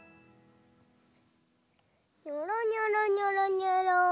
にょろにょろにょろにょろ。